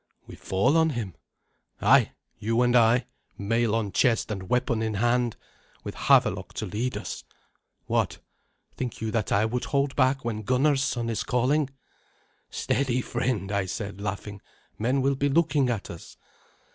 "We fall on him?" "Ay, you and I, mail on chest and weapon in hand, with Havelok to lead us. What? think you that I would hold back when Gunnar's son is calling?" "Steady, friend," I said, laughing; "men will be looking at us."